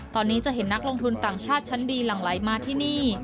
ตอนนี้จะเห็นนักลงทุนต่างชาติชั้นดีหลั่งไหลมาที่นี่